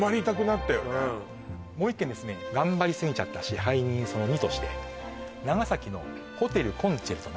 もう一軒ですね頑張りすぎちゃった支配人その２として長崎のホテルコンチェルト